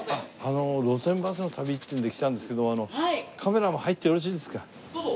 『路線バスの旅』っていうので来たんですけどもよろしいですか？